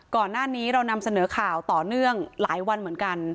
ก่อนหน้านี้เรานำเสนอข่าวต่อเนื่องหลายวันเหมือนกัน